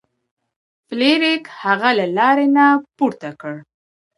فلیریک هغه له لارې نه پورته کړ.